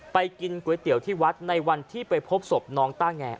กินก๋วยเตี๋ยวที่วัดในวันที่ไปพบศพน้องต้าแง